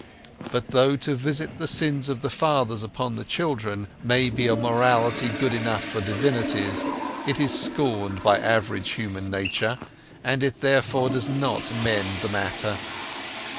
But though to visit the sins of the fathers upon the children may be a morality good enough for divinities, it is scorned by average human nature; and it therefore does not mend the matter.